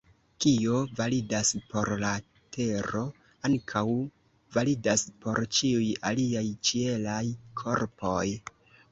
Kio validas por la Tero, ankaŭ validas por ĉiuj aliaj ĉielaj korpoj.